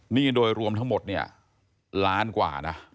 โดยรวมทั้งหมดเนี่ยล้านกว่านะ